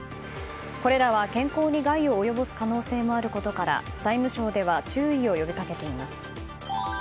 これらは、健康に害を及ぼす可能性もあることから財務省では注意を呼びかけています。